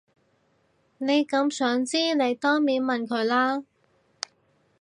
你咁想知你當面問佢啦